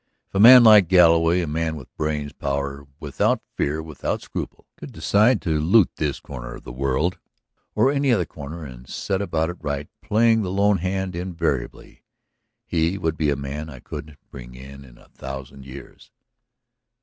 If a man like Galloway, a man with brains, power, without fear, without scruple, should decide to loot this corner of the world or any other corner, and set about it right, playing the lone hand invariably, he would be a man I couldn't bring in in a thousand years.